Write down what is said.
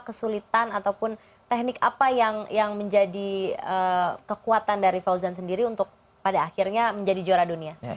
kesulitan atau teknik apa yang menjadi kekuatan dari fauzan sendiri untuk national